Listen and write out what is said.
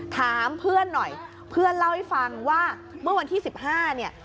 ถามเพื่อนหน่อยเพื่อนเล่าให้ฟังว่าเมื่อวันที่๑๕เนี่ย